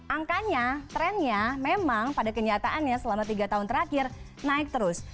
angkanya trennya memang pada kenyataannya selama tiga tahun terakhir naik terus